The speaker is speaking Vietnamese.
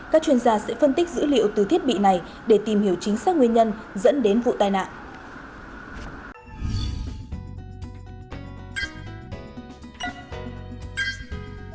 các chuyên gia sẽ phân tích dữ liệu từ thiết bị này để tìm hiểu chính xác nguyên nhân dẫn đến vụ tai nạn